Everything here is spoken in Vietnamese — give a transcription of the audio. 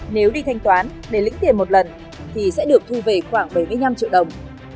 nếu đi thanh toán để lĩnh tiền một lần thì sẽ được thu về khoảng bảy mươi năm triệu đồng